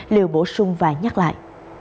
liều bổ sung và nhắc lại